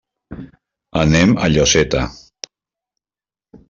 Anem a Lloseta.